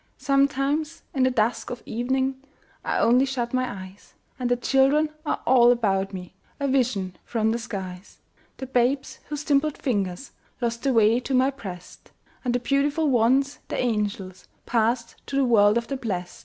Sometimes, in the dusk of evening, I only shut my eyes, And the children are all about me, A vision from the skies: The babes whose dimpled fingers Lost the way to my breast, And the beautiful ones, the angels, Passed to the world of the blest.